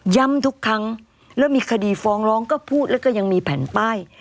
ทุกครั้งแล้วมีคดีฟ้องร้องก็พูดแล้วก็ยังมีแผ่นป้าย